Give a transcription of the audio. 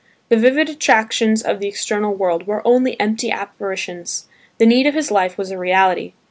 The vivid attractions of the external world were only empty apparitions; the need of his life was a reality.